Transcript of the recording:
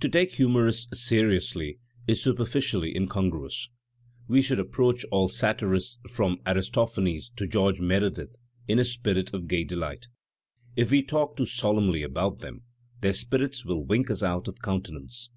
To take humorists seriously is superficially incongruous. We should approach all satirists from Aristophanes to George Meredith in a spirit of gay delight. If we talk too solemnly about them, their spirits will wink us out of countenance.